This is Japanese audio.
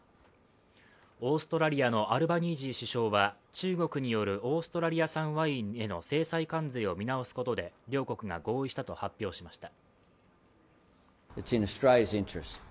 オーストラリアのアルバニージー首相は中国によるオーストラリア産ワインへの制裁関税を見直すことで両国が合意したと発表しました。